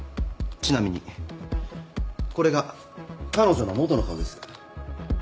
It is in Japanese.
ちなみにこれが彼女の元の顔です。